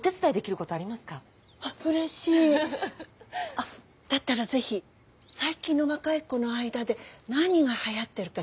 あっだったら是非最近の若い子の間で何がはやってるか知りたいわ。